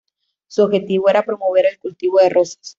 Su objetivo era promover el cultivo de rosas.